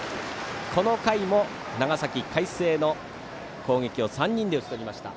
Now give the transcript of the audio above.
この回も長崎・海星の攻撃を３人で打ち取りました。